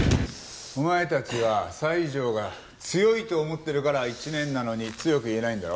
お前たちは西条が強いと思ってるから１年なのに強く言えないんだろ？